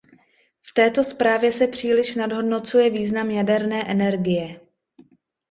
V této zprávě se příliš nadhodnocuje význam jaderné energie.